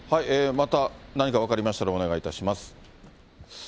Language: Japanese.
また何かわかりましたら、お願いいたします。